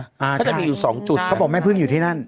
จะมีอยู่สองจุดเขาบอกแม่พึ่งอยู่ที่นั่น